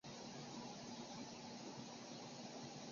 伊格尔镇区为美国堪萨斯州塞奇威克县辖下的镇区。